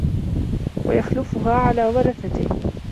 وَيَخْلُفُهَا عَلَى وَرَثَتِهِ